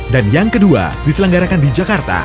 dan yang kedua diselenggarakan di jakarta